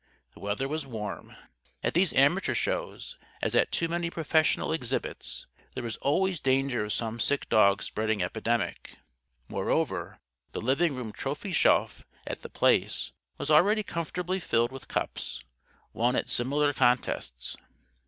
The weather was warm. At these amateur shows as at too many professional exhibits there was always danger of some sick dog spreading epidemic. Moreover, the living room trophy shelf at The Place was already comfortably filled with cups; won at similar contests.